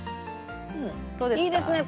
いいですね